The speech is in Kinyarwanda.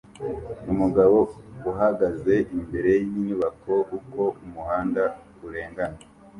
Umugabo uhagaze imbere yinyubako uko umuhanda urengana